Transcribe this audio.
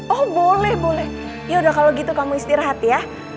oh boleh boleh yaudah kalau gitu kamu istirahat ya